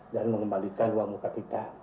dan mengembalikan uang muka kita